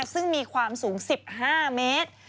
ซึ่งมีความสูง๑๕เมตร